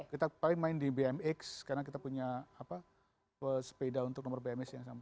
kita paling main di bmx karena kita punya pesepeda untuk nomor bmx yang sama